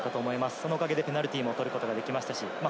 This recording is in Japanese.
そのおかげでペナルティーを取ることができました。